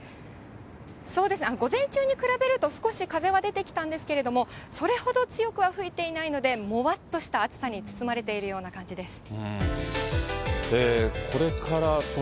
そうですね、午前中に比べると少し風は出てきたんですけれども、それほど強くは吹いていないので、もわっとした暑さに包まれているような感じです。